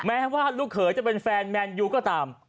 แม้ว่าลูกเขยจะเป็นแฟนแมนยูก็ตาม